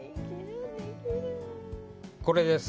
これです。